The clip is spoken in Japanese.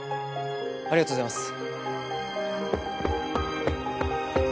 ありがとうございます！